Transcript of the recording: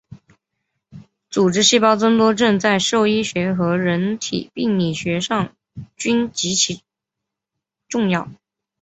组织细胞增多症在兽医学和人体病理学上均极其重要。